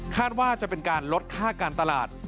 ว่าจะเป็นการลดค่าการตลาด